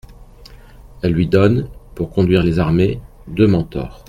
Elle lui donne, pour conduire les armées, deux mentors.